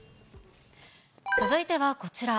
続いてはこちら。